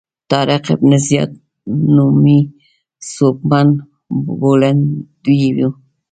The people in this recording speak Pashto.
طارق بن زیاد نومي سوبمن بولندوی و.